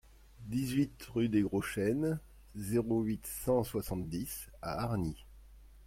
dix-huit rue des Gros Chênes, zéro huit, cent soixante-dix à Hargnies